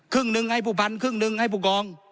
ครึ่งหนึ่งให้ผู้พันครึ่งหนึ่งให้ผู้กอง